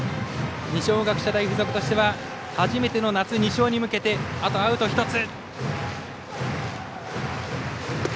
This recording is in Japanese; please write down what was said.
二松学舎大付属としては初めての夏２勝に向けてあとアウト１つ。